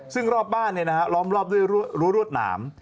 ซึ่งรอบบ้านเนี่ยนะครับรอบด้วยรถหนาม